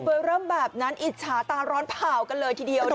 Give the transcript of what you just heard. เริ่มแบบนั้นอิจฉาตาร้อนเผ่ากันเลยทีเดียว